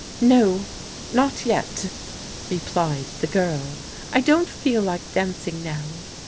"No, not yet!" replied the girl. "I don't feel like dancing now.